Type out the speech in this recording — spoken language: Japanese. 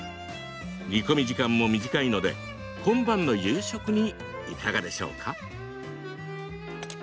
煮込み時間も短いので今晩の夕食にいかがでしょうか。